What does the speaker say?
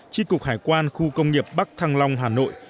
tri cục hải quan khu công nghiệp bắc thăng long hà nội